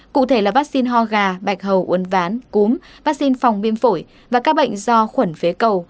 cụ thể là vaccine ho gà bạch hầu uốn ván cúm vaccine phòng viêm phổi và các bệnh do khuẩn phế cầu